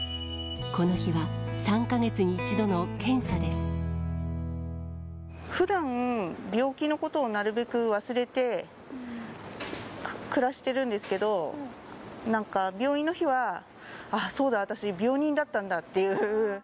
この日は、３か月に１度の検査でふだん、病気のことをなるべく忘れて暮らしてるんですけど、なんか、病院の日は、ああ、そうだ、私、病人だったんだっていう。